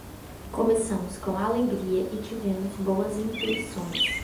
Começamos com alegria e tivemos boas intuições